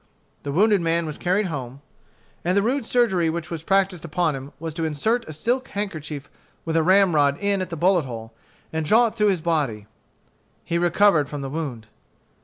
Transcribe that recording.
The wounded man was carried home; and the rude surgery which was practised upon him was to insert a silk handkerchief with a ramrod in at the bullet hole, and draw it through his body. He recovered from the wound.